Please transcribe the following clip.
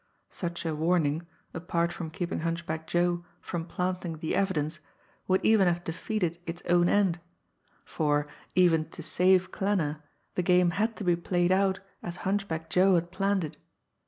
Such a warning, apart from keeping Hunchback Joe from planting the evidence, would even have defeated its own end for, even to save Klanner, the game had to be played out as Hunchback Joe had planned it.